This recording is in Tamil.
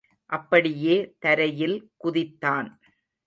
அப்படியே தரையில் குதித்தான்.